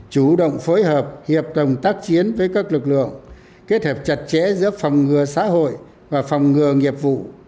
chủ động phối hợp hiệp đồng tác chiến với các lực lượng kết hợp chặt chẽ giữa phòng ngừa xã hội và phòng ngừa nghiệp vụ